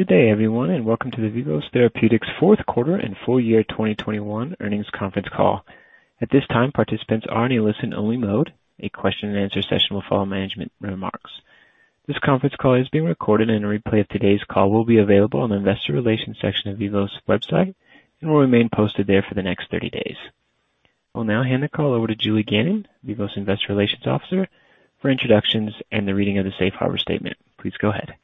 Good day, everyone, and welcome to the Vivos Therapeutics fourth quarter and full year 2021 earnings conference call. At this time, participants are in a listen-only mode. A question-and-answer session will follow management remarks. This conference call is being recorded, and a replay of today's call will be available on the investor relations section of Vivos website and will remain posted there for the next 30 days. I'll now hand the call over to Julie Gannon, Vivos Investor Relations Officer, for introductions and the reading of the safe harbor statement. Please go ahead.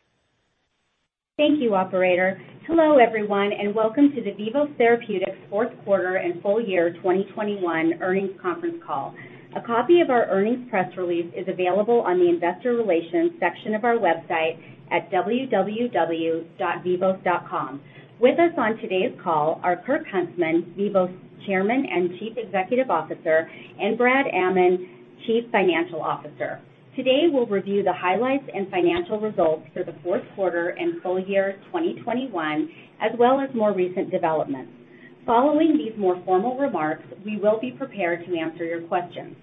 Thank you, operator. Hello, everyone, and welcome to the Vivos Therapeutics fourth quarter and full year 2021 earnings conference call. A copy of our earnings press release is available on the investor relations section of our website at vivos.com. With us on today's call are Kirk Huntsman, Vivos Chairman and Chief Executive Officer, and Brad Amman, Chief Financial Officer. Today, we'll review the highlights and financial results for the fourth quarter and full year 2021, as well as more recent developments. Following these more formal remarks, we will be prepared to answer your questions.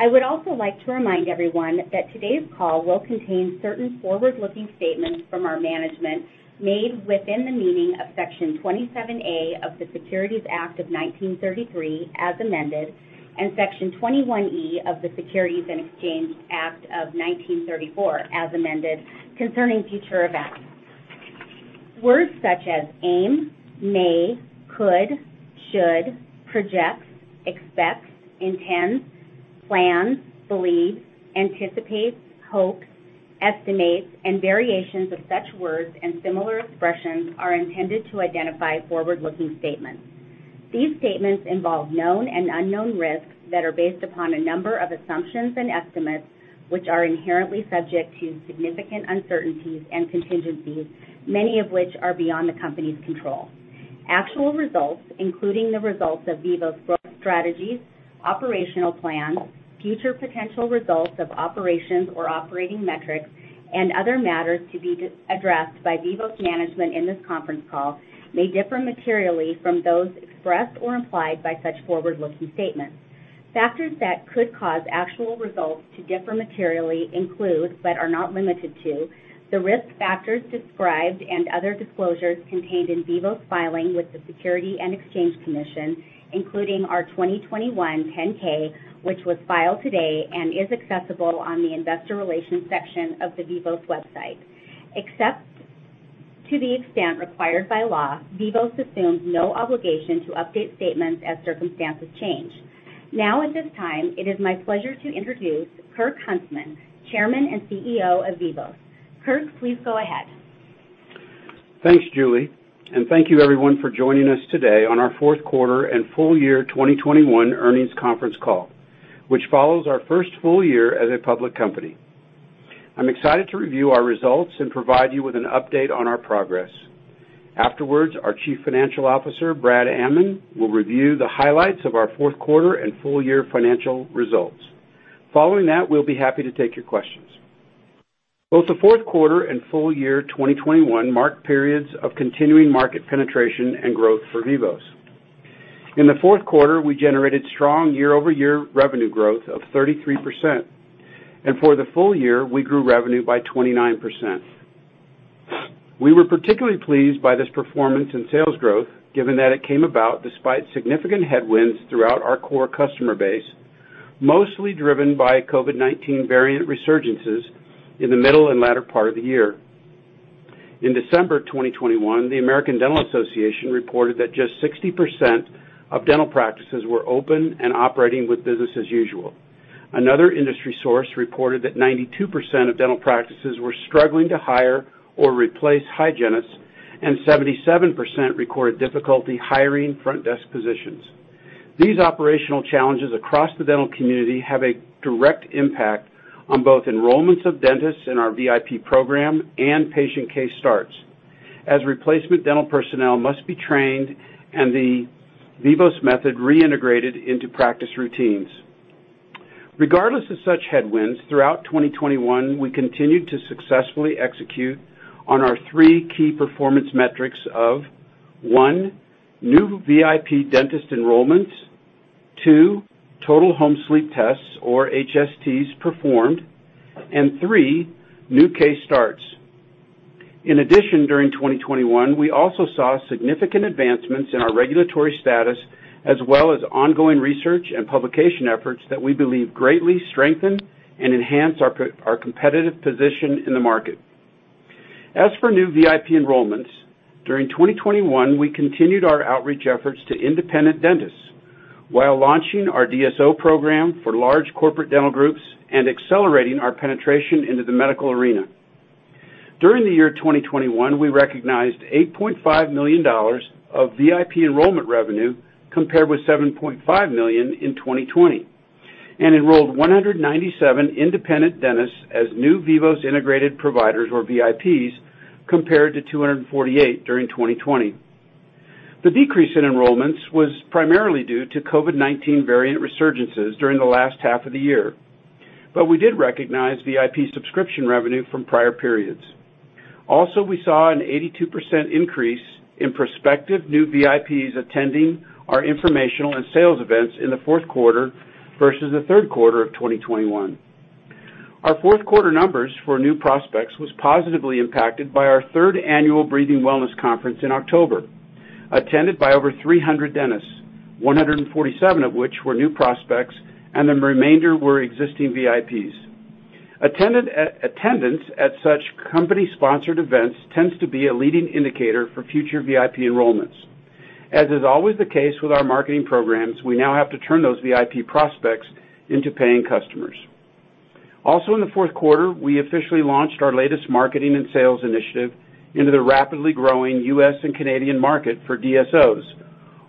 I would also like to remind everyone that today's call will contain certain forward-looking statements from our management made within the meaning of Section 27A of the Securities Act of 1933, as amended, and Section 21E of the Securities Exchange Act of 1934, as amended, concerning future events. Words such as aim, may, could, should, projects, expects, intends, plans, believes, anticipates, hopes, estimates and variations of such words and similar expressions are intended to identify forward-looking statements. These statements involve known and unknown risks that are based upon a number of assumptions and estimates, which are inherently subject to significant uncertainties and contingencies, many of which are beyond the company's control. Actual results, including the results of Vivos growth strategies, operational plans, future potential results of operations or operating metrics, and other matters to be addressed by Vivos management in this conference call, may differ materially from those expressed or implied by such forward-looking statements. Factors that could cause actual results to differ materially include, but are not limited to, the risk factors described and other disclosures contained in our filings with the Securities and Exchange Commission, including our 2021 10-K, which was filed today and is accessible on the investor relations section of the Vivos website. Except to the extent required by law, Vivos assumes no obligation to update statements as circumstances change. Now, at this time, it is my pleasure to introduce Kirk Huntsman, Chairman and CEO of Vivos. Kirk, please go ahead. Thanks, Julie, and thank you everyone for joining us today on our fourth quarter and full year 2021 earnings conference call, which follows our first full year as a public company. I'm excited to review our results and provide you with an update on our progress. Afterwards, our Chief Financial Officer, Brad Amman, will review the highlights of our fourth quarter and full year financial results. Following that, we'll be happy to take your questions. Both the fourth quarter and full year 2021 marked periods of continuing market penetration and growth for Vivos. In the fourth quarter, we generated strong year-over-year revenue growth of 33%, and for the full year, we grew revenue by 29%. We were particularly pleased by this performance and sales growth, given that it came about despite significant headwinds throughout our core customer base, mostly driven by COVID-19 variant resurgences in the middle and latter part of the year. In December 2021, the American Dental Association reported that just 60% of dental practices were open and operating with business as usual. Another industry source reported that 92% of dental practices were struggling to hire or replace hygienists, and 77% recorded difficulty hiring front desk positions. These operational challenges across the dental community have a direct impact on both enrollments of dentists in our VIP program and patient case starts, as replacement dental personnel must be trained and the Vivos Method reintegrated into practice routines. Regardless of such headwinds, throughout 2021, we continued to successfully execute on our three key performance metrics of, one, new VIP dentist enrollments, two, total home sleep tests or HSTs performed, and three, new case starts. In addition, during 2021, we also saw significant advancements in our regulatory status, as well as ongoing research and publication efforts that we believe greatly strengthen and enhance our competitive position in the market. As for new VIP enrollments, during 2021, we continued our outreach efforts to independent dentists while launching our DSO program for large corporate dental groups and accelerating our penetration into the medical arena. During the year 2021, we recognized $8.5 million of VIP enrollment revenue, compared with $7.5 million in 2020, and enrolled 197 independent dentists as new Vivos integrated providers or VIPs, compared to 248 during 2020. The decrease in enrollments was primarily due to COVID-19 variant resurgences during the last half of the year. We did recognize VIP subscription revenue from prior periods. Also, we saw an 82% increase in prospective new VIPs attending our informational and sales events in the fourth quarter compared to the third quarter of 2021. Our fourth quarter numbers for new prospects was positively impacted by our third annual Breathing Wellness Conference in October, attended by over 300 dentists, 147 of which were new prospects, and the remainder were existing VIPs. Attendance at such company-sponsored events tends to be a leading indicator for future VIP enrollments. As is always the case with our marketing programs, we now have to turn those VIP prospects into paying customers. Also in the fourth quarter, we officially launched our latest marketing and sales initiative into the rapidly growing U.S. and Canadian market for DSOs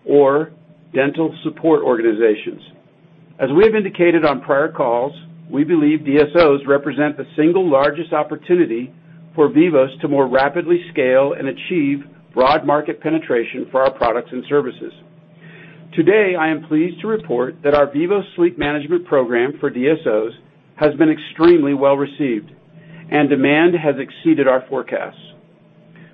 or dental support organizations. As we have indicated on prior calls, we believe DSOs represent the single largest opportunity for Vivos to more rapidly scale and achieve broad market penetration for our products and services. Today, I am pleased to report that our Vivos Sleep Management program for DSOs has been extremely well-received and demand has exceeded our forecasts.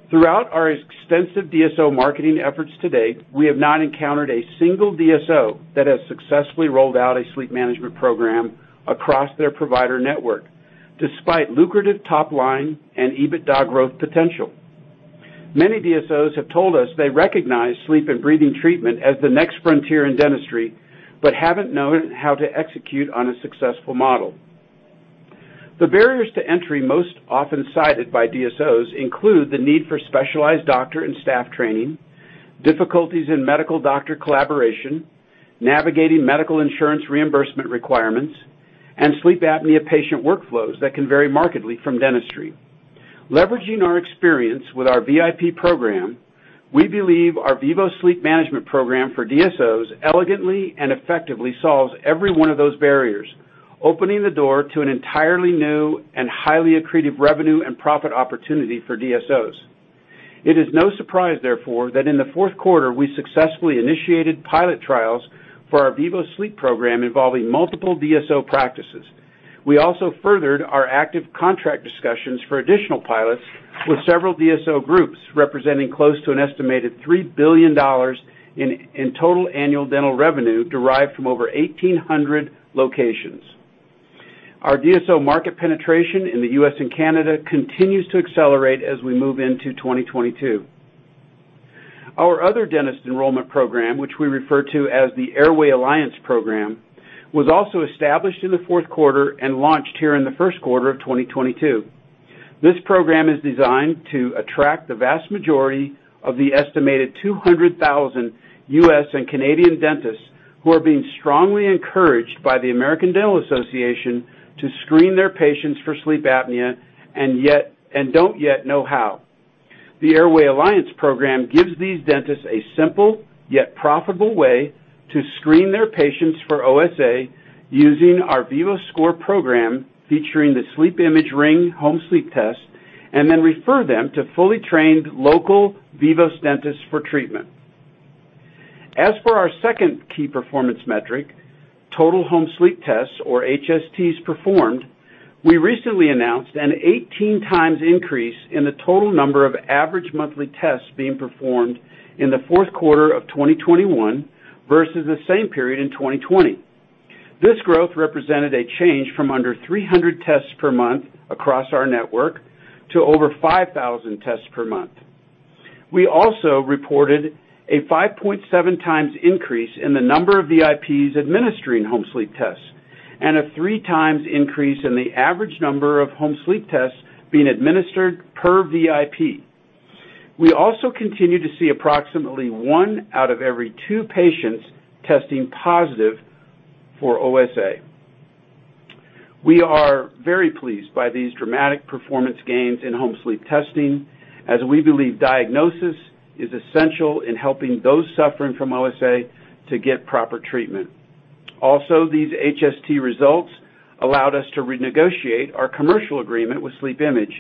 Throughout our extensive DSO marketing efforts to date, we have not encountered a single DSO that has successfully rolled out a sleep management program across their provider network, despite lucrative top line and EBITDA growth potential. Many DSOs have told us they recognize sleep and breathing treatment as the next frontier in dentistry, but haven't known how to execute on a successful model. The barriers to entry most often cited by DSOs include the need for specialized doctor and staff training, difficulties in medical-doctor collaboration, navigating medical insurance reimbursement requirements, and sleep apnea patient workflows that can vary markedly from dentistry. Leveraging our experience with our VIP program, we believe our Vivos Sleep Management program for DSOs elegantly and effectively solves every one of those barriers, opening the door to an entirely new and highly accretive revenue and profit opportunity for DSOs. It is no surprise, therefore, that in the fourth quarter, we successfully initiated pilot trials for our Vivos Sleep program involving multiple DSO practices. We also furthered our active contract discussions for additional pilots with several DSO groups, representing close to an estimated $3 billion in total annual dental revenue derived from over 1,800 locations. Our DSO market penetration in the U.S. and Canada continues to accelerate as we move into 2022. Our other dentist enrollment program, which we refer to as the Airway Alliance Program, was also established in the fourth quarter and launched here in the first quarter of 2022. This program is designed to attract the vast majority of the estimated 200,000 U.S. and Canadian dentists who are being strongly encouraged by the American Dental Association to screen their patients for sleep apnea and yet don't yet know how. The Airway Alliance Program gives these dentists a simple yet profitable way to screen their patients for OSA using our VivoScore program, featuring the SleepImage Ring home sleep test, and then refer them to fully trained local Vivos dentists for treatment. As for our second key performance metric, total home sleep tests or HSTs performed, we recently announced an 18x increase in the total number of average monthly tests being performed in the fourth quarter of 2021 versus the same period in 2020. This growth represented a change from under 300 tests per month across our network to over 5,000 tests per month. We also reported a 5.7x increase in the number of VIPs administering home sleep tests and a 3x increase in the average number of home sleep tests being administered per VIP. We also continue to see approximately one out of every two patients testing positive for OSA. We are very pleased by these dramatic performance gains in home sleep testing, as we believe diagnosis is essential in helping those suffering from OSA to get proper treatment. Also, these HST results allowed us to renegotiate our commercial agreement with SleepImage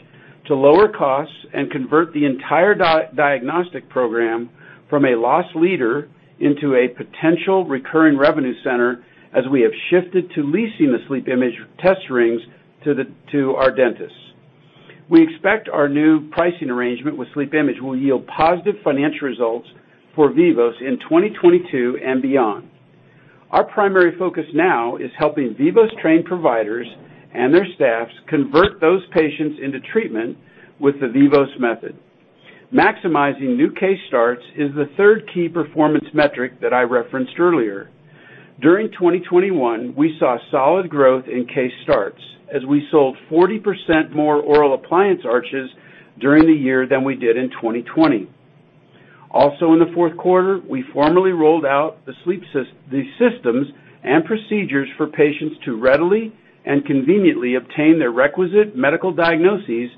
to lower costs and convert the entire diagnostic program from a loss leader into a potential recurring revenue center as we have shifted to leasing the SleepImage test rings to our dentists. We expect our new pricing arrangement with SleepImage will yield positive financial results for Vivos in 2022 and beyond. Our primary focus now is helping Vivos trained providers and their staffs convert those patients into treatment with the Vivos method. Maximizing new case starts is the third key performance metric that I referenced earlier. During 2021, we saw solid growth in case starts as we sold 40% more oral appliance arches during the year than we did in 2020. Also in the fourth quarter, we formally rolled out the systems and procedures for patients to readily and conveniently obtain their requisite medical diagnoses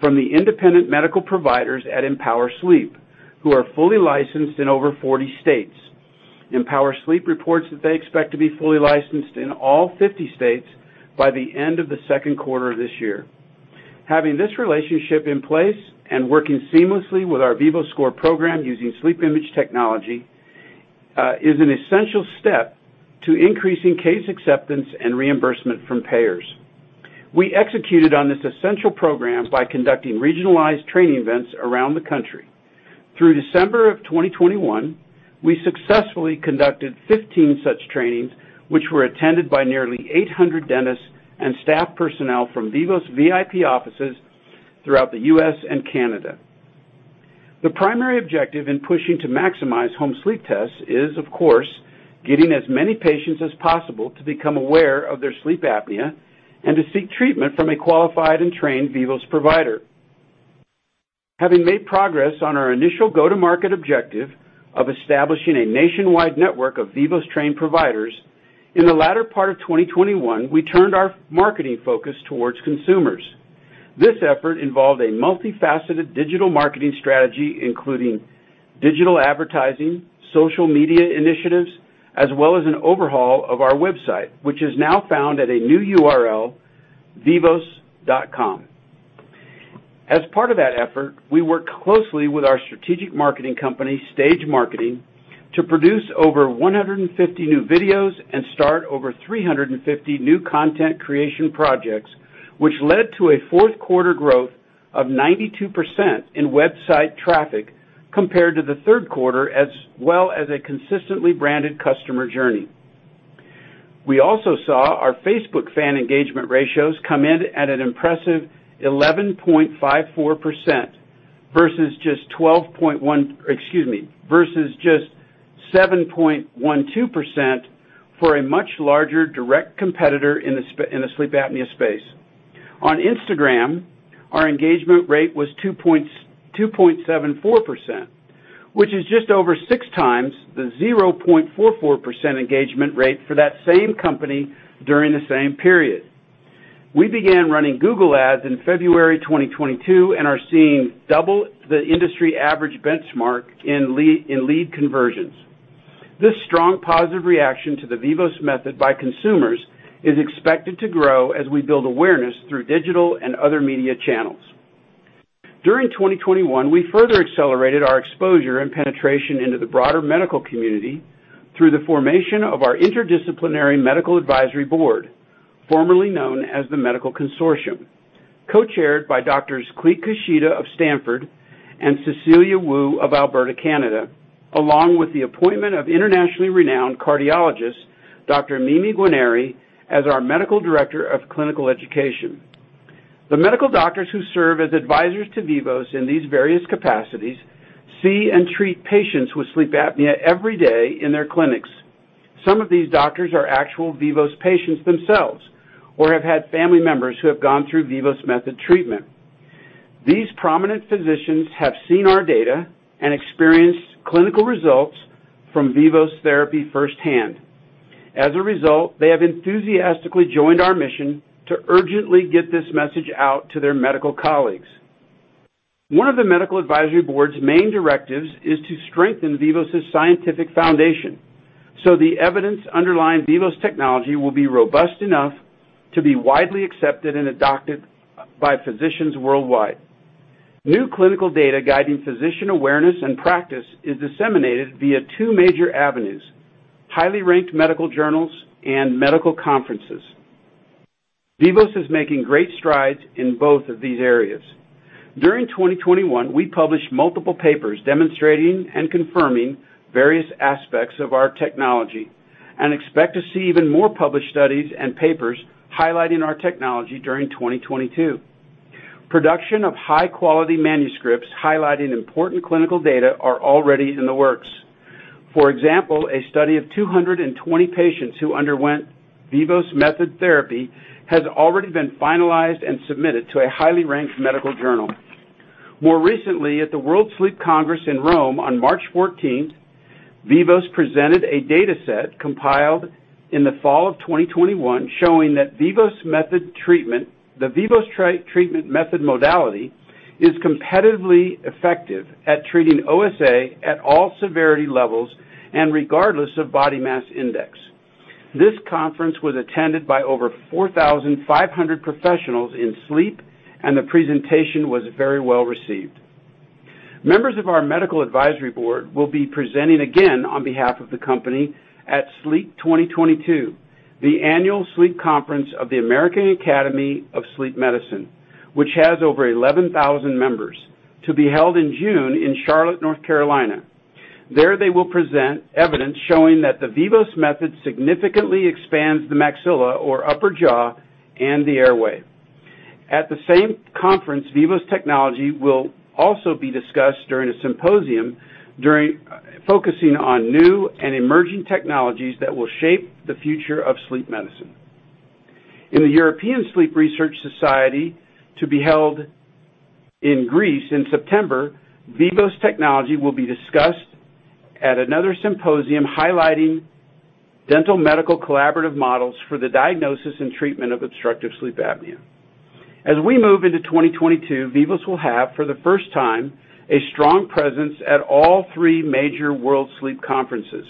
from the independent medical providers at Empower Sleep, who are fully licensed in over 40 states. Empower Sleep reports that they expect to be fully licensed in all 50 states by the end of the second quarter of this year. Having this relationship in place and working seamlessly with our VivoScore program using SleepImage technology is an essential step to increasing case acceptance and reimbursement from payers. We executed on this essential program by conducting regionalized training events around the country. Through December of 2021, we successfully conducted 15 such trainings, which were attended by nearly 800 dentists and staff personnel from Vivos VIP offices throughout the U.S. and Canada. The primary objective in pushing to maximize home sleep tests is, of course, getting as many patients as possible to become aware of their sleep apnea and to seek treatment from a qualified and trained Vivos provider. Having made progress on our initial go-to-market objective of establishing a nationwide network of Vivos trained providers, in the latter part of 2021, we turned our marketing focus towards consumers. This effort involved a multifaceted digital marketing strategy, including digital advertising, social media initiatives, as well as an overhaul of our website, which is now found at a new URL, vivos.com. As part of that effort, we worked closely with our strategic marketing company, Stage Marketing, to produce over 150 new videos and start over 350 new content creation projects, which led to a fourth quarter growth of 92% in website traffic compared to the third quarter, as well as a consistently branded customer journey. We also saw our Facebook fan engagement ratios come in at an impressive 11.54% versus just 7.12% for a much larger direct competitor in the sleep apnea space. On Instagram, our engagement rate was 2.74%, which is just over 6x the 0.44% engagement rate for that same company during the same period. We began running Google Ads in February 2022 and are seeing double the industry average benchmark in lead conversions. This strong positive reaction to the Vivos method by consumers is expected to grow as we build awareness through digital and other media channels. During 2021, we further accelerated our exposure and penetration into the broader medical community through the formation of our interdisciplinary medical advisory board, formerly known as the Medical Consortium, co-chaired by Doctors Clete Kushida of Stanford and Cecilia Wu of Alberta, Canada, along with the appointment of internationally renowned cardiologist, Dr. Mimi Guarneri, as our Medical Director of Clinical Education. The medical doctors who serve as advisors to Vivos in these various capacities see and treat patients with sleep apnea every day in their clinics. Some of these doctors are actual Vivos patients themselves or have had family members who have gone through Vivos Method treatment. These prominent physicians have seen our data and experienced clinical results from Vivos therapy firsthand. As a result, they have enthusiastically joined our mission to urgently get this message out to their medical colleagues. One of the medical advisory board's main directives is to strengthen Vivos' scientific foundation, so the evidence underlying Vivos technology will be robust enough to be widely accepted and adopted by physicians worldwide. New clinical data guiding physician awareness and practice is disseminated via two major avenues, highly ranked medical journals and medical conferences. Vivos is making great strides in both of these areas. During 2021, we published multiple papers demonstrating and confirming various aspects of our technology and expect to see even more published studies and papers highlighting our technology during 2022. Production of high-quality manuscripts highlighting important clinical data are already in the works. For example, a study of 220 patients who underwent Vivos Method therapy has already been finalized and submitted to a highly ranked medical journal. More recently, at the World Sleep Congress in Rome on March 14th, Vivos presented a dataset compiled in the fall of 2021 showing that the Vivos method treatment modality is competitively effective at treating OSA at all severity levels and regardless of body mass index. This conference was attended by over 4,500 professionals in sleep, and the presentation was very well received. Members of our medical advisory board will be presenting again on behalf of the company at SLEEP 2022, the annual sleep conference of the American Academy of Sleep Medicine, which has over 11,000 members, to be held in June in Charlotte, North Carolina. There they will present evidence showing that the Vivos method significantly expands the maxilla or upper jaw and the airway. At the same conference, Vivos technology will also be discussed during a symposium focusing on new and emerging technologies that will shape the future of sleep medicine. In the European Sleep Research Society to be held in Greece in September, Vivos technology will be discussed at another symposium highlighting dental medical collaborative models for the diagnosis and treatment of obstructive sleep apnea. As we move into 2022, Vivos will have, for the first time, a strong presence at all three major World Sleep conferences,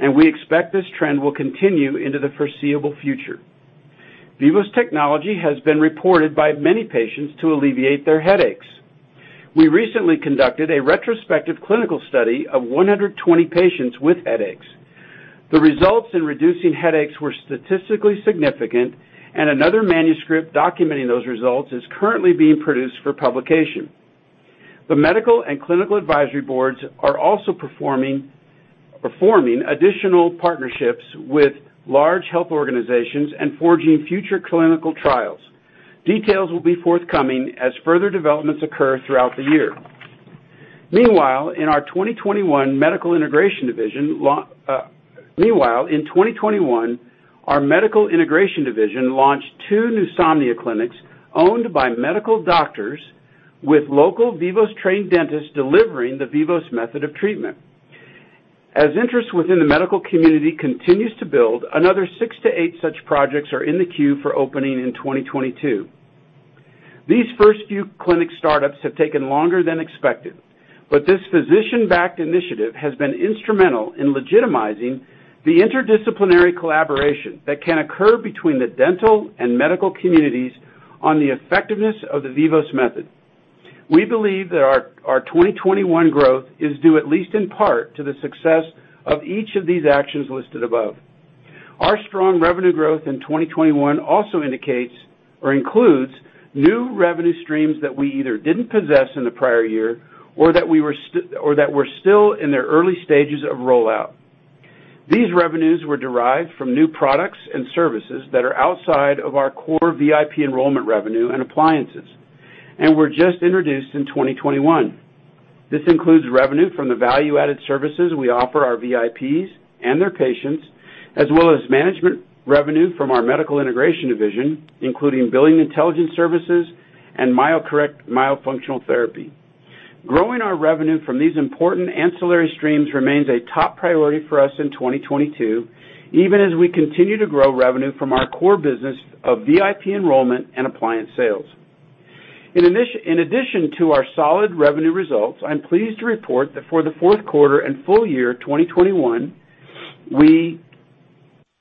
and we expect this trend will continue into the foreseeable future. Vivos technology has been reported by many patients to alleviate their headaches. We recently conducted a retrospective clinical study of 120 patients with headaches. The results in reducing headaches were statistically significant, and another manuscript documenting those results is currently being produced for publication. The medical and clinical advisory boards are also performing additional partnerships with large health organizations and forging future clinical trials. Details will be forthcoming as further developments occur throughout the year. Meanwhile, in our 2021 Medical Integration Division, meanwhile, in 2021, our Medical Integration Division launched two new Pneusomnia clinics owned by medical doctors with local Vivos trained dentists delivering the Vivos method of treatment. As interest within the medical community continues to build, another six-eight such projects are in the queue for opening in 2022. These first few clinic startups have taken longer than expected, but this physician-backed initiative has been instrumental in legitimizing the interdisciplinary collaboration that can occur between the dental and medical communities on the effectiveness of the Vivos Method. We believe that our 2021 growth is due, at least in part, to the success of each of these actions listed above. Our strong revenue growth in 2021 also indicates or includes new revenue streams that we either didn't possess in the prior year or that were still in their early stages of rollout. These revenues were derived from new products and services that are outside of our core VIP enrollment revenue and appliances and were just introduced in 2021. This includes revenue from the value-added services we offer our VIPs and their patients, as well as management revenue from our Medical Integration Division, including Billing Intelligence Services and MyoCorrect myofunctional therapy. Growing our revenue from these important ancillary streams remains a top priority for us in 2022, even as we continue to grow revenue from our core business of VIP enrollment and appliance sales. In addition to our solid revenue results, I'm pleased to report that for the fourth quarter and full year 2021, we,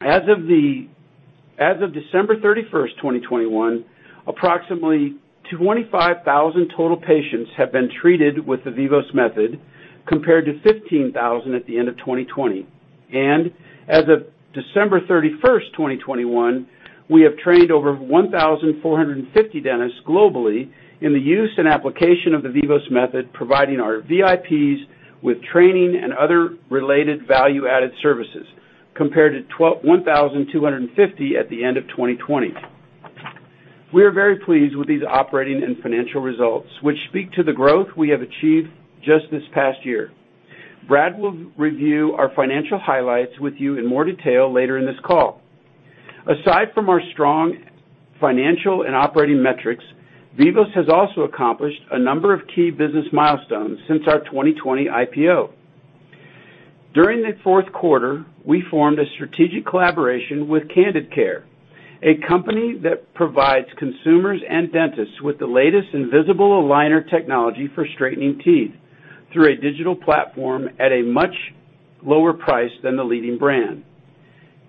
as of December 31st, 2021, approximately 25,000 total patients have been treated with the Vivos Method compared to 15,000 at the end of 2020. As of December 31st, 2021, we have trained over 1,450 dentists globally in the use and application of the Vivos Method, providing our VIPs with training and other related value-added services compared to 1,250 at the end of 2020. We are very pleased with these operating and financial results, which speak to the growth we have achieved just this past year. Brad will review our financial highlights with you in more detail later in this call. Aside from our strong financial and operating metrics, Vivos has also accomplished a number of key business milestones since our 2020 IPO. During the fourth quarter, we formed a strategic collaboration with Candid Care, a company that provides consumers and dentists with the latest invisible aligner technology for straightening teeth through a digital platform at a much lower price than the leading brand.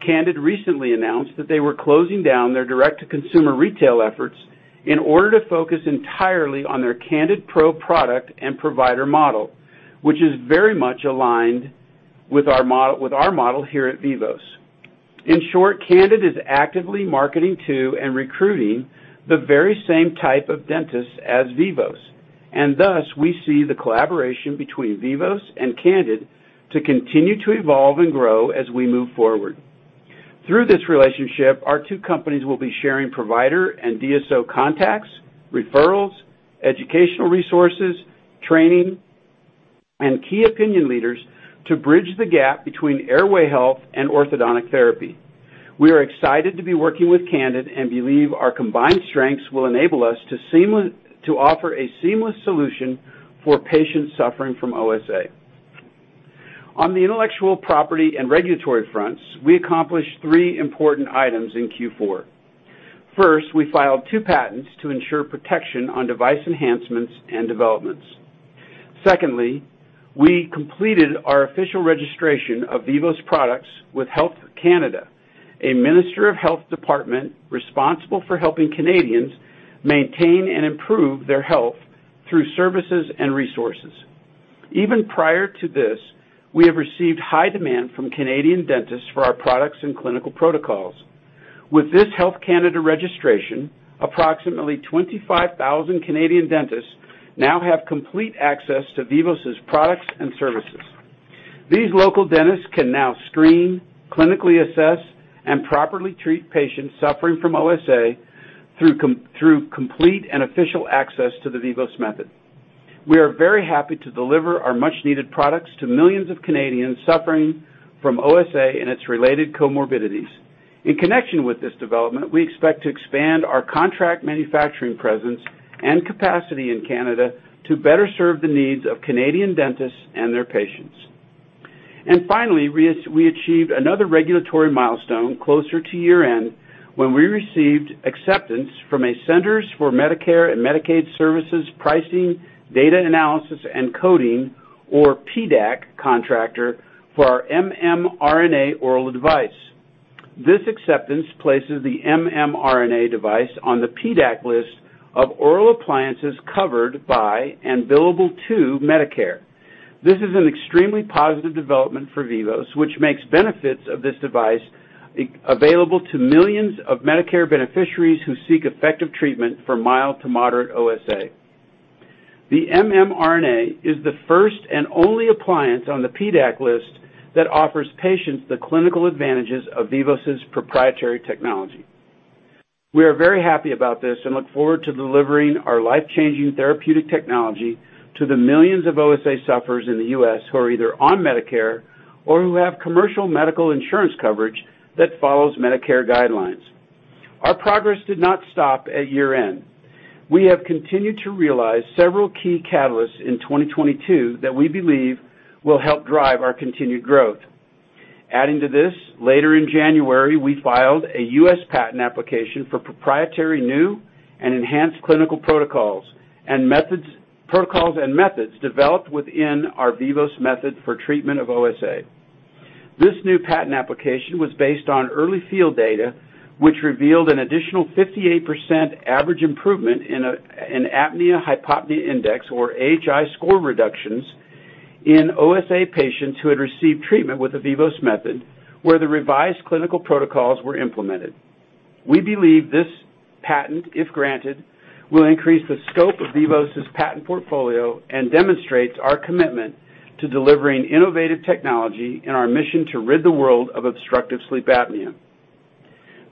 Candid recently announced that they were closing down their direct-to-consumer retail efforts in order to focus entirely on their CandidPro product and provider model, which is very much aligned with our model here at Vivos. In short, Candid is actively marketing to and recruiting the very same type of dentists as Vivos, and thus, we see the collaboration between Vivos and Candid to continue to evolve and grow as we move forward. Through this relationship, our two companies will be sharing provider and DSO contacts, referrals, educational resources, training, and key opinion leaders to bridge the gap between airway health and orthodontic therapy. We are excited to be working with Candid and believe our combined strengths will enable us to offer a seamless solution for patients suffering from OSA. On the intellectual property and regulatory fronts, we accomplished three important items in Q4. First, we filed two patents to ensure protection on device enhancements and developments. Secondly, we completed our official registration of Vivos products with Health Canada, a Ministry of Health department responsible for helping Canadians maintain and improve their health through services and resources. Even prior to this, we have received high demand from Canadian dentists for our products and clinical protocols. With this Health Canada registration, approximately 25,000 Canadian dentists now have complete access to Vivos' products and services. These local dentists can now screen, clinically assess, and properly treat patients suffering from OSA through complete and official access to the Vivos Method. We are very happy to deliver our much-needed products to millions of Canadians suffering from OSA and its related comorbidities. In connection with this development, we expect to expand our contract manufacturing presence and capacity in Canada to better serve the needs of Canadian dentists and their patients. Finally, we achieved another regulatory milestone closer to year-end when we received acceptance from a Centers for Medicare & Medicaid Services Pricing, Data Analysis, and Coding, or PDAC, contractor for our mmRNA oral device. This acceptance places the mmRNA device on the PDAC list of oral appliances covered by and billable to Medicare. This is an extremely positive development for Vivos, which makes benefits of this device available to millions of Medicare beneficiaries who seek effective treatment for mild to moderate OSA. The mmRNA is the first and only appliance on the PDAC list that offers patients the clinical advantages of Vivos' proprietary technology. We are very happy about this and look forward to delivering our life-changing therapeutic technology to the millions of OSA sufferers in the U.S. who are either on Medicare or who have commercial medical insurance coverage that follows Medicare guidelines. Our progress did not stop at year-end. We have continued to realize several key catalysts in 2022 that we believe will help drive our continued growth. Adding to this, later in January, we filed a U.S. patent application for proprietary new and enhanced clinical protocols and methods developed within our Vivos Method for treatment of OSA. This new patent application was based on early field data, which revealed an additional 58% average improvement in apnea-hypopnea index or AHI score reductions in OSA patients who had received treatment with the Vivos Method where the revised clinical protocols were implemented. We believe this patent, if granted, will increase the scope of Vivos' patent portfolio and demonstrates our commitment to delivering innovative technology and our mission to rid the world of obstructive sleep apnea.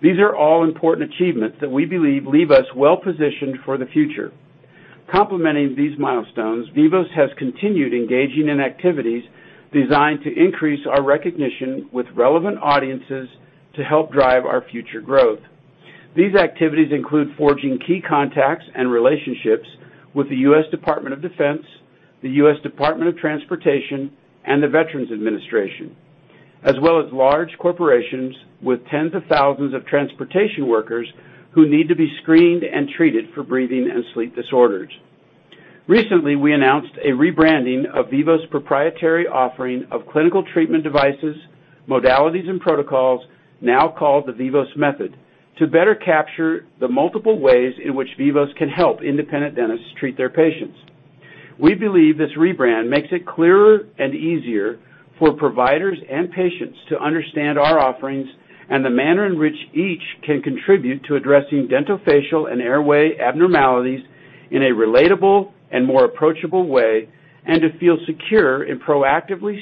These are all important achievements that we believe leave us well-positioned for the future. Complementing these milestones, Vivos has continued engaging in activities designed to increase our recognition with relevant audiences to help drive our future growth. These activities include forging key contacts and relationships with the U.S. Department of Defense, the U.S. Department of Transportation, and the Department of Veterans Affairs, as well as large corporations with tens of thousands of transportation workers who need to be screened and treated for breathing and sleep disorders. Recently, we announced a rebranding of Vivos proprietary offering of clinical treatment devices, modalities and protocols now called the Vivos Method to better capture the multiple ways in which Vivos can help independent dentists treat their patients. We believe this rebrand makes it clearer and easier for providers and patients to understand our offerings and the manner in which each can contribute to addressing dentofacial and airway abnormalities in a relatable and more approachable way, and to feel secure in proactively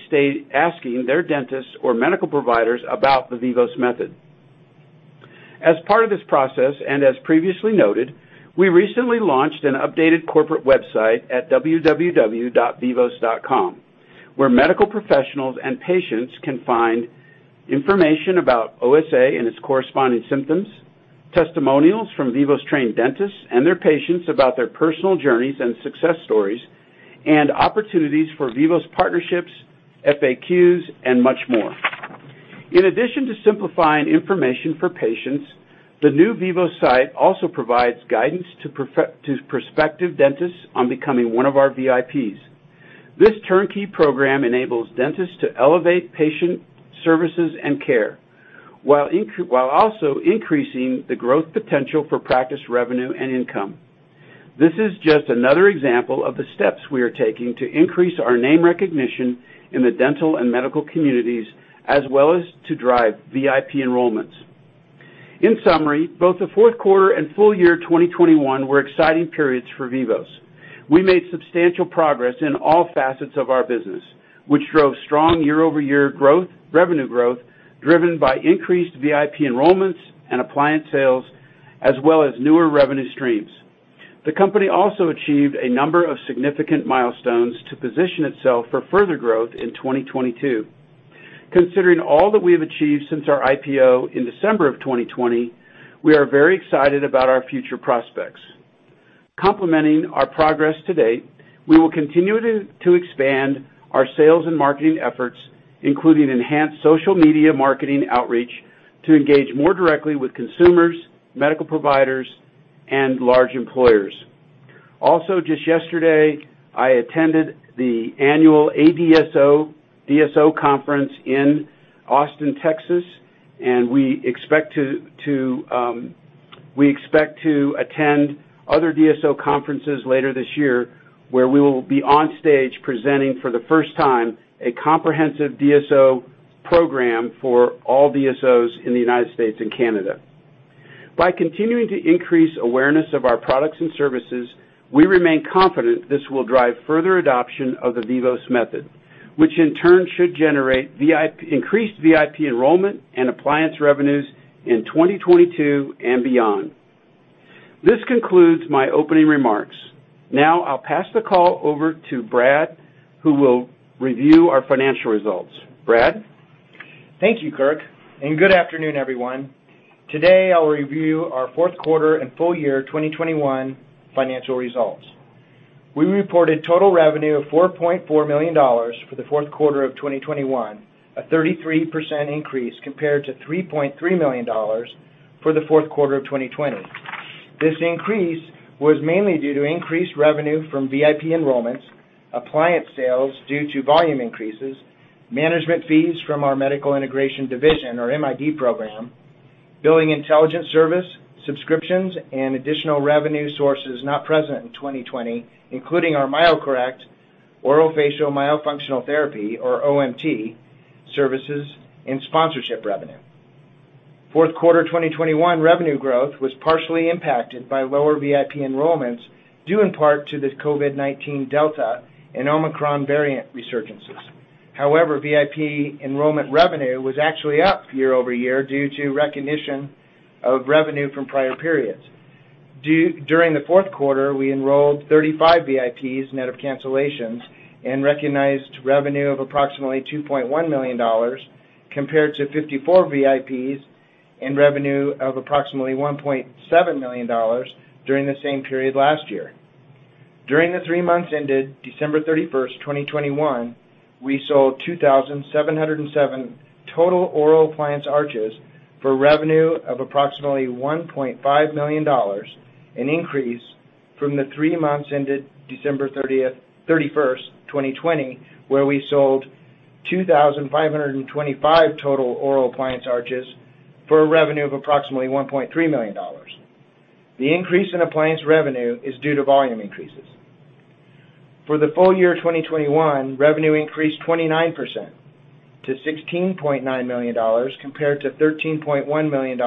asking their dentists or medical providers about the Vivos Method. As part of this process, and as previously noted, we recently launched an updated corporate website at www.vivos.com, where medical professionals and patients can find information about OSA and its corresponding symptoms, testimonials from Vivos-trained dentists and their patients about their personal journeys and success stories, and opportunities for Vivos partnerships, FAQs, and much more. In addition to simplifying information for patients, the new Vivos site also provides guidance to prospective dentists on becoming one of our VIPs. This turnkey program enables dentists to elevate patient services and care while also increasing the growth potential for practice revenue and income. This is just another example of the steps we are taking to increase our name recognition in the dental and medical communities, as well as to drive VIP enrollments. In summary, both the fourth quarter and full year 2021 were exciting periods for Vivos. We made substantial progress in all facets of our business, which drove strong year-over-year growth, revenue growth driven by increased VIP enrollments and appliance sales, as well as newer revenue streams. The company also achieved a number of significant milestones to position itself for further growth in 2022. Considering all that we have achieved since our IPO in December 2020, we are very excited about our future prospects. Complementing our progress to date, we will continue to expand our sales and marketing efforts, including enhanced social media marketing outreach, to engage more directly with consumers, medical providers, and large employers. Also, just yesterday, I attended the annual ADSO DSO conference in Austin, Texas. We expect to attend other DSO conferences later this year, where we will be on stage presenting for the first time a comprehensive DSO program for all DSOs in the United States and Canada. By continuing to increase awareness of our products and services, we remain confident this will drive further adoption of the Vivos Method, which in turn should generate increased VIP enrollment and appliance revenues in 2022 and beyond. This concludes my opening remarks. Now I'll pass the call over to Brad, who will review our financial results. Brad? Thank you, Kirk, and good afternoon, everyone. Today, I'll review our fourth quarter and full year 2021 financial results. We reported total revenue of $4.4 million for the fourth quarter of 2021, a 33% increase compared to $3.3 million for the fourth quarter of 2020. This increase was mainly due to increased revenue from VIP enrollments, appliance sales due to volume increases, management fees from our medical integration division, or MID program, Billing Intelligence Service, subscriptions, and additional revenue sources not present in 2020, including our MyoCorrect Orofacial Myofunctional Therapy, or OMT, services and sponsorship revenue. Fourth quarter 2021 revenue growth was partially impacted by lower VIP enrollments, due in part to the COVID-19 Delta and Omicron variant resurgences. However, VIP enrollment revenue was actually up year-over-year due to recognition of revenue from prior periods. During the fourth quarter, we enrolled 35 VIPs net of cancellations and recognized revenue of approximately $2.1 million compared to 54 VIPs and revenue of approximately $1.7 million during the same period last year. During the three months ended December 31st, 2021, we sold 2,707 total oral appliance arches for revenue of approximately $1.5 million, an increase from the three months ended December 31th, 2020, where we sold 2,525 total oral appliance arches for a revenue of approximately $1.3 million. The increase in appliance revenue is due to volume increases. For the full year 2021, revenue increased 29% to $16.9 million compared to $13.1 million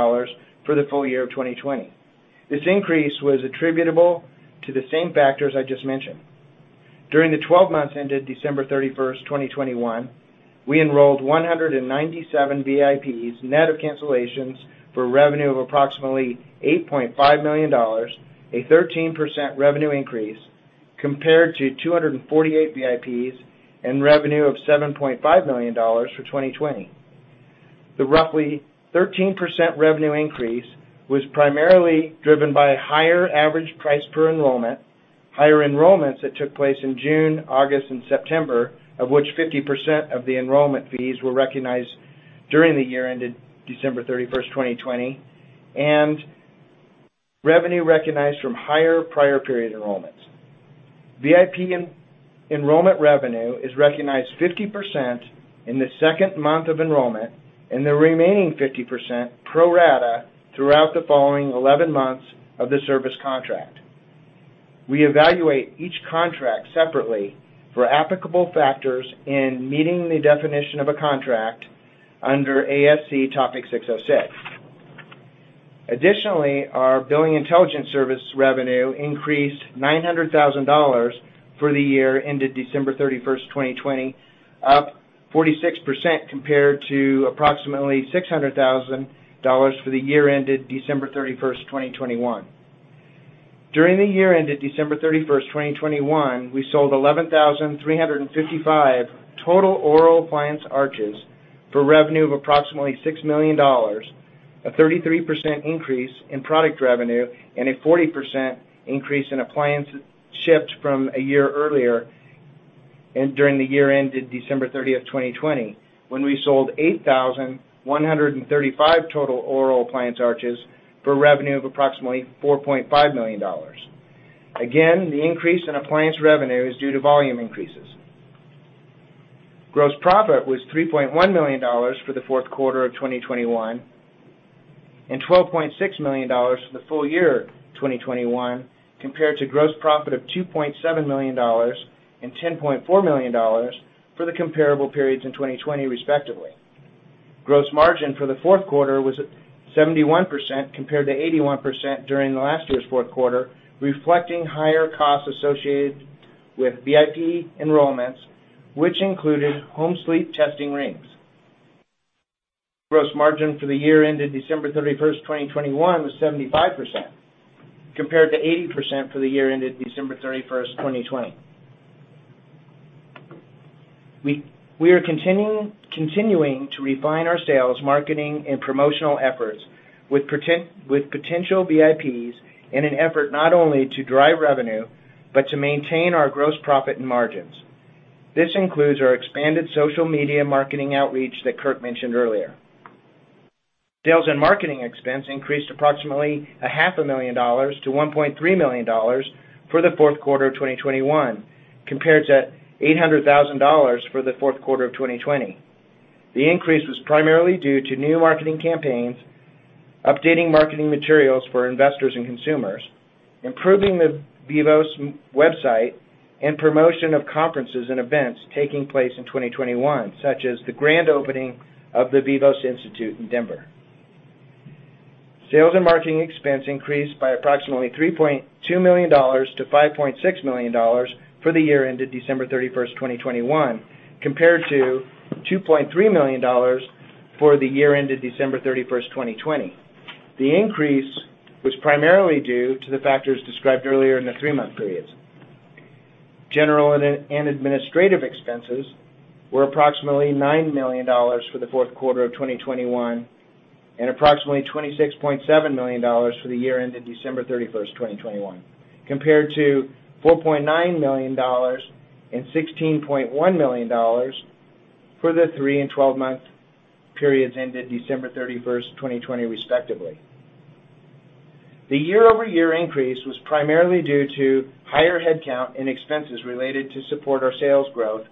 for the full year of 2020. This increase was attributable to the same factors I just mentioned. During the 12 months ended December 31st, 2021, we enrolled 197 VIPs net of cancellations for revenue of approximately $8.5 million, a 13% revenue increase compared to 248 VIPs and revenue of $7.5 million for 2020. The roughly 13% revenue increase was primarily driven by higher average price per enrollment, higher enrollments that took place in June, August, and September, of which 50% of the enrollment fees were recognized during the year ended December 31st, 2020, and revenue recognized from higher prior period enrollments. VIP enrollment revenue is recognized 50% in the second month of enrollment and the remaining 50% pro rata throughout the following 11 months of the service contract. We evaluate each contract separately for applicable factors in meeting the definition of a contract under ASC Topic 606. Our Billing Intelligence Service revenue increased $900,000 for the year ended December 31st, 2020, up 46% compared to approximately $600,000 for the year ended December 31st, 2021. During the year ended December 31st, 2021, we sold 11,355 total oral appliance arches for revenue of approximately $6 million, a 33% increase in product revenue and a 40% increase in appliances shipped from a year earlier and during the year ended December 31st, 2020, when we sold 8,135 total oral appliance arches for revenue of approximately $4.5 million. The increase in appliance revenue is due to volume increases. Gross profit was $3.1 million for the fourth quarter of 2021 and $12.6 million for the full year of 2021 compared to gross profit of $2.7 million and $10.4 million for the comparable periods in 2020, respectively. Gross margin for the fourth quarter was at 71% compared to 81% during last year's fourth quarter, reflecting higher costs associated with VIP enrollments, which included home sleep testing rings. Gross margin for the year ended December 31st, 2021 was 75% compared to 80% for the year ended December 31st, 2020. We are continuing to refine our sales, marketing, and promotional efforts with potential VIPs in an effort not only to drive revenue but to maintain our gross profit and margins. This includes our expanded social media marketing outreach that Kirk mentioned earlier. Sales and marketing expense increased approximately half a million dollars to $1.3 million for the fourth quarter of 2021 compared to $800,000 for the fourth quarter of 2020. The increase was primarily due to new marketing campaigns, updating marketing materials for investors and consumers, improving the Vivos website, and promotion of conferences and events taking place in 2021, such as the grand opening of the Vivos Institute in Denver. Sales and marketing expense increased by approximately $3.2 million to $5.6 million for the year ended December 31st, 2021, compared to $2.3 million for the year ended December 31st, 2020. The increase was primarily due to the factors described earlier in the three-month periods. General and administrative expenses were approximately $9 million for the fourth quarter of 2021 and approximately $26.7 million for the year ended December 31st, 2021, compared to $4.9 million and $16.1 million for the three and twelve-month periods ended December 31st, 2020, respectively. The year-over-year increase was primarily due to higher headcount and expenses related to support our sales growth,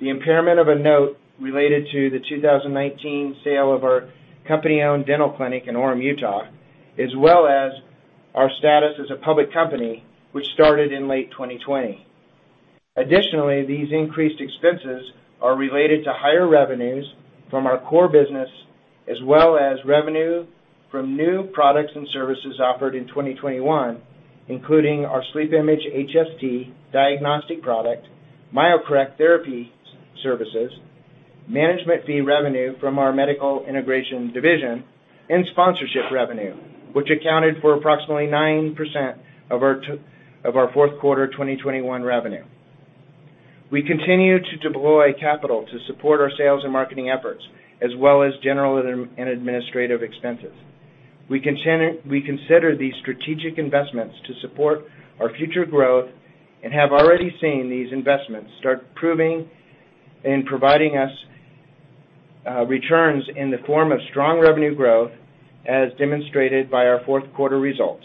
the impairment of a note related to the 2019 sale of our company-owned dental clinic in Orem, Utah, as well as our status as a public company, which started in late 2020. Additionally, these increased expenses are related to higher revenues from our core business, as well as revenue from new products and services offered in 2021, including our SleepImage HST diagnostic product, MyoCorrect therapy services, management fee revenue from our medical integration division, and sponsorship revenue, which accounted for approximately 9% of our fourth quarter 2021 revenue. We continue to deploy capital to support our sales and marketing efforts, as well as general and administrative expenses. We consider these strategic investments to support our future growth and have already seen these investments start proving and providing us returns in the form of strong revenue growth, as demonstrated by our fourth quarter results.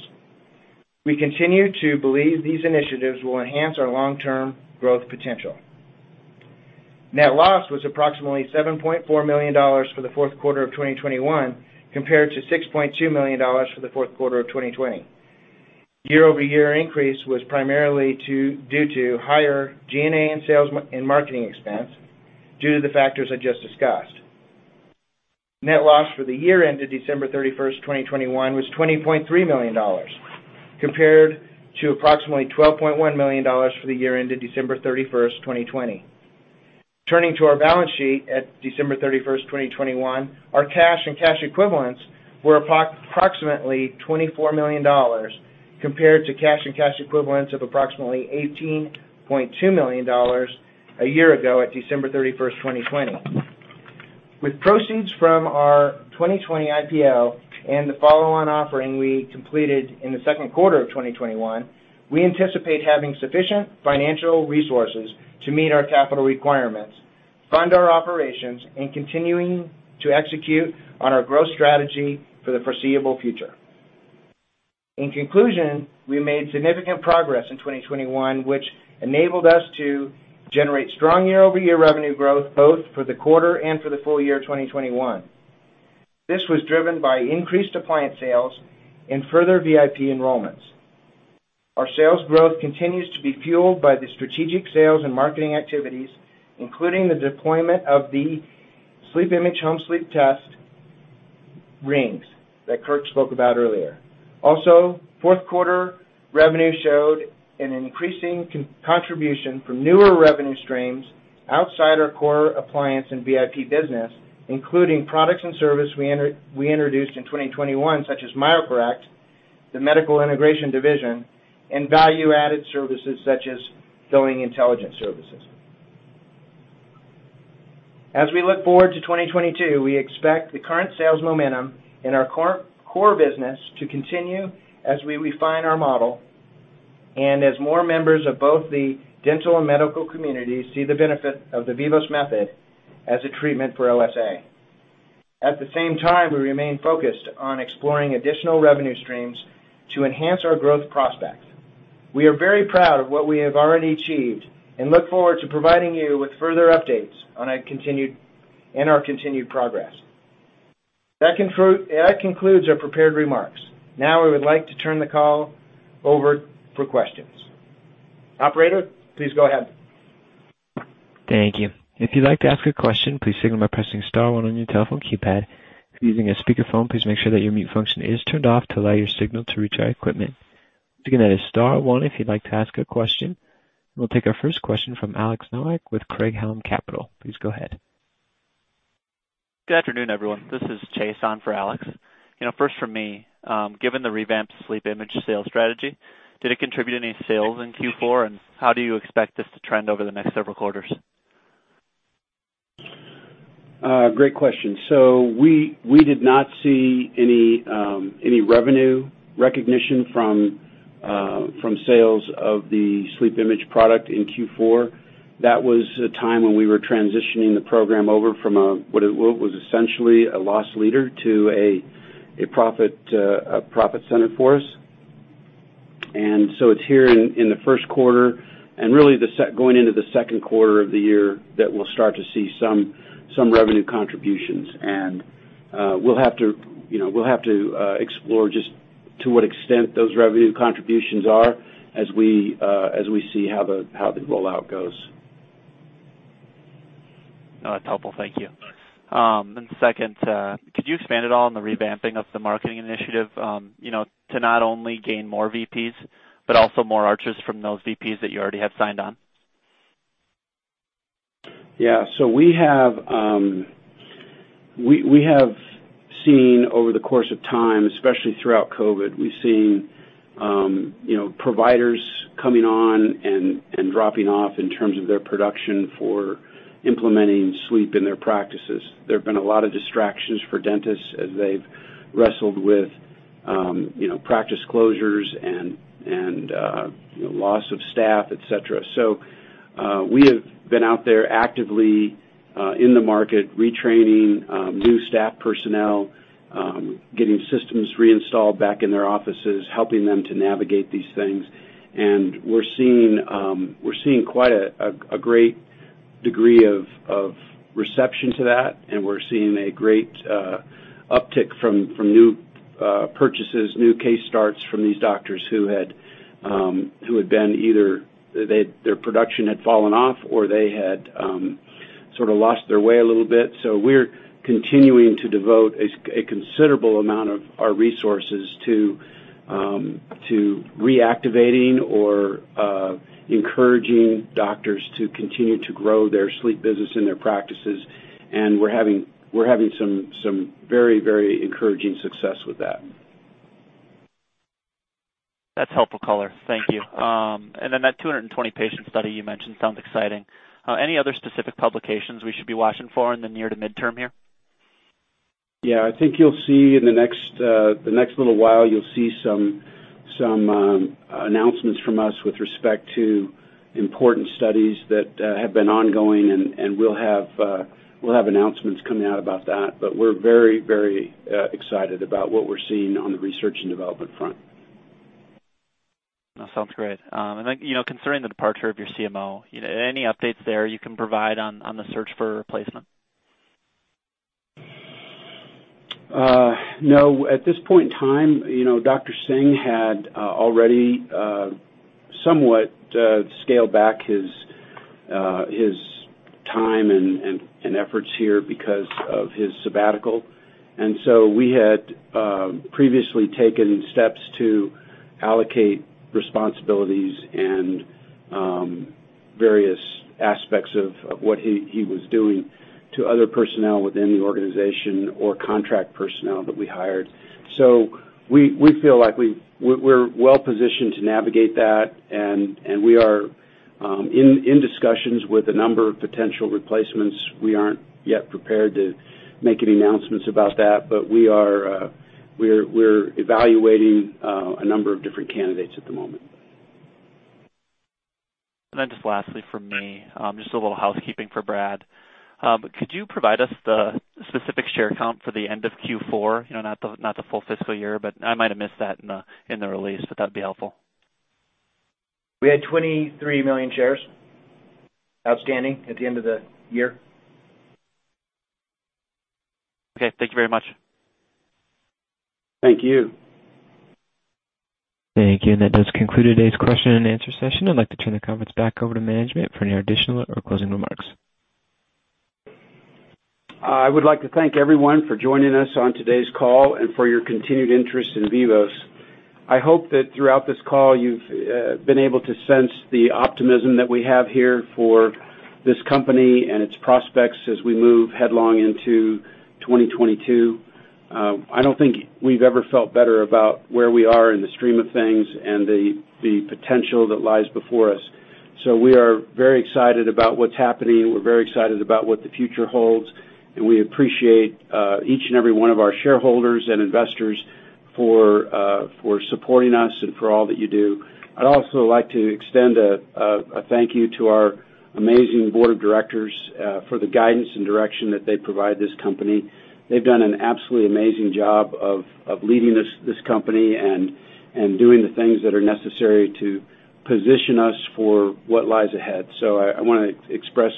We continue to believe these initiatives will enhance our long-term growth potential. Net loss was approximately $7.4 million for the fourth quarter of 2021, compared to $6.2 million for the fourth quarter of 2020. Year-over-year increase was primarily due to higher G&A and sales and marketing expense due to the factors I just discussed. Net loss for the year ended December 31st, 2021 was $20.3 million, compared to approximately $12.1 million for the year ended December 31st, 2020. Turning to our balance sheet at December 31st, 2021, our cash and cash equivalents were approximately $24 million compared to cash and cash equivalents of approximately $18.2 million a year ago at December 31st, 2020. With proceeds from our 2020 IPO and the follow-on offering we completed in the second quarter of 2021, we anticipate having sufficient financial resources to meet our capital requirements, fund our operations, and continuing to execute on our growth strategy for the foreseeable future. In conclusion, we made significant progress in 2021, which enabled us to generate strong year-over-year revenue growth, both for the quarter and for the full year 2021. This was driven by increased appliance sales and further VIP enrollments. Our sales growth continues to be fueled by the strategic sales and marketing activities, including the deployment of the SleepImage home sleep test rings that Kirk spoke about earlier. Also, fourth quarter revenue showed an increasing contribution from newer revenue streams outside our core appliance and VIP business, including products and services we introduced in 2021, such as MyoCorrect, the Medical Integration Division, and value-added services such as Billing Intelligence Service. As we look forward to 2022, we expect the current sales momentum in our core business to continue as we refine our model and as more members of both the dental and medical community see the benefit of the Vivos Method as a treatment for OSA. At the same time, we remain focused on exploring additional revenue streams to enhance our growth prospects. We are very proud of what we have already achieved and look forward to providing you with further updates in our continued progress. That concludes our prepared remarks. Now we would like to turn the call over for questions. Operator, please go ahead. Thank you. If you'd like to ask a question, please signal by pressing star one on your telephone keypad. If you're using a speakerphone, please make sure that your mute function is turned off to allow your signal to reach our equipment. Again, that is star one if you'd like to ask a question. We'll take our first question from Alex Knopick with Craig-Hallum Capital. Please go ahead. Good afternoon, everyone. This is Chase on for Alex. You know, first from me, given the revamped SleepImage sales strategy, did it contribute any sales in Q4? How do you expect this to trend over the next several quarters? Great question. We did not see any revenue recognition from sales of the SleepImage product in Q4. That was a time when we were transitioning the program over from what was essentially a loss leader to a profit center for us. We'll have to, you know, explore just to what extent those revenue contributions are as we see how the rollout goes. No, that's helpful. Thank you. Thanks. Second, could you expand at all on the revamping of the marketing initiative, you know, to not only gain more VPs, but also more orders from those VPs that you already have signed on? Yeah. We have seen over the course of time, especially throughout COVID, we've seen you know, providers coming on and dropping off in terms of their production for implementing sleep in their practices. There have been a lot of distractions for dentists as they've wrestled with You know, practice closures and you know, loss of staff, et cetera. We have been out there actively in the market, retraining new staff personnel, getting systems reinstalled back in their offices, helping them to navigate these things. We're seeing quite a great degree of reception to that, and we're seeing a great uptick from new purchases, new case starts from these doctors who had been either their production had fallen off, or they had sort of lost their way a little bit. We're continuing to devote a considerable amount of our resources to reactivating or encouraging doctors to continue to grow their sleep business in their practices. We're having some very encouraging success with that. That's helpful color. Thank you. That 220 patient study you mentioned sounds exciting. Any other specific publications we should be watching for in the near to midterm here? Yeah. I think you'll see in the next little while, you'll see some announcements from us with respect to important studies that have been ongoing, and we'll have announcements coming out about that. But we're very excited about what we're seeing on the research and development front. That sounds great. You know, concerning the departure of your CMO, any updates there you can provide on the search for a replacement? No. At this point in time, you know, Dr. Singh had already somewhat scaled back his time and efforts here because of his sabbatical. We had previously taken steps to allocate responsibilities and various aspects of what he was doing to other personnel within the organization or contract personnel that we hired. We feel like we're well-positioned to navigate that, and we are in discussions with a number of potential replacements. We aren't yet prepared to make any announcements about that, but we are evaluating a number of different candidates at the moment. Just lastly from me, just a little housekeeping for Brad. Could you provide us the specific share count for the end of Q4? You know, not the full fiscal year, but I might have missed that in the release, but that'd be helpful. We had 23 million shares outstanding at the end of the year. Okay. Thank you very much. Thank you. Thank you. That does conclude today's question and answer session. I'd like to turn the conference back over to management for any additional or closing remarks. I would like to thank everyone for joining us on today's call and for your continued interest in Vivos. I hope that throughout this call you've been able to sense the optimism that we have here for this company and its prospects as we move headlong into 2022. I don't think we've ever felt better about where we are in the stream of things and the potential that lies before us. We are very excited about what's happening. We're very excited about what the future holds, and we appreciate each and every one of our shareholders and investors for supporting us and for all that you do. I'd also like to extend a thank you to our amazing board of directors for the guidance and direction that they provide this company. They've done an absolutely amazing job of leading this company and doing the things that are necessary to position us for what lies ahead. I wanna express,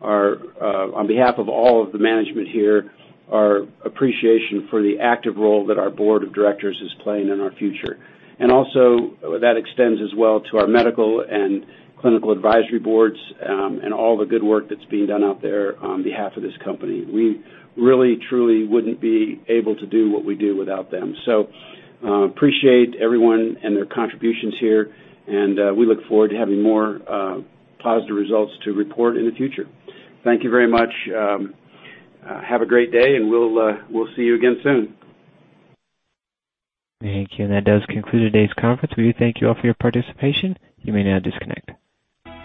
on behalf of all of the management here, our appreciation for the active role that our board of directors is playing in our future. Also, that extends as well to our medical and clinical advisory boards and all the good work that's being done out there on behalf of this company. We really truly wouldn't be able to do what we do without them. I appreciate everyone and their contributions here, and we look forward to having more positive results to report in the future. Thank you very much. Have a great day, and we'll see you again soon. Thank you. That does conclude today's conference. We thank you all for your participation. You may now disconnect.